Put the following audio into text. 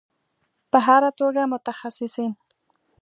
په هر توګه متخصصین